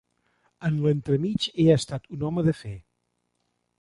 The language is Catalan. En l'entremig he estat un home de fer.